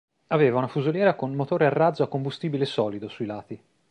Aveva una fusoliera con motore a razzo a combustibile solido sui lati.